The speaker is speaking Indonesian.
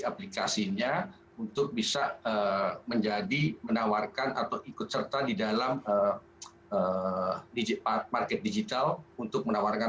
aplikasinya untuk bisa menjadi menawarkan atau ikut serta di dalam market digital untuk menawarkan